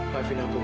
ma fien aku mau